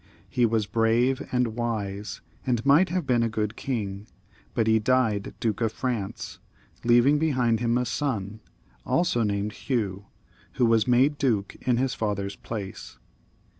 He was brave and wise, and might have made a good king, but he died Duke of France, leaving behind him a son, also named Hugh, who was made duke in his father's place.